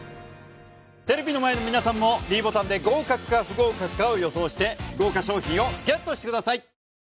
テレビの前の皆さんもｄボタンで合格か不合格かを予想して豪華賞品をＧＥＴしてください